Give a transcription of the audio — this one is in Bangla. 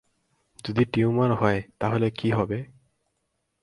যদি টিউমার হয়, তাহলে কী হবে?